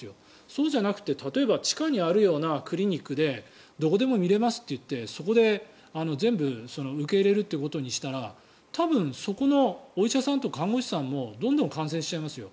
そうじゃなくて、例えば地下にあるようなクリニックでどこでも診れますって言ってそこで全部受け入れるということにしたら多分、そこのお医者さんと看護師さんもどんどん感染しちゃいますよ。